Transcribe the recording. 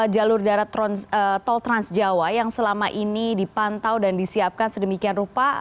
jalur darat tol transjawa yang selama ini dipantau dan disiapkan sedemikian rupa